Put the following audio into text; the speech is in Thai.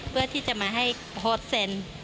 เพื่อที่จะมาให้โฮสเซ็น